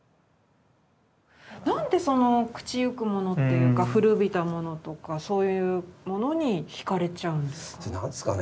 何でその朽ちゆくものっていうか古びたものとかそういうものにひかれちゃうんですか？